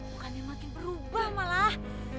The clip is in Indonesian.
bukannya makin berubah malah